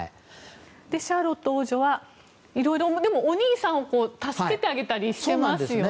シャーロット王女はいろいろ、お兄さんを助けてあげたりしてますよね。